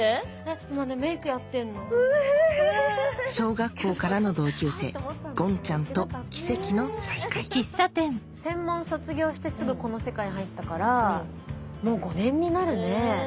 小学校からの同級生ごんちゃんと奇跡の再会専門卒業してすぐこの世界入ったからもう５年になるね。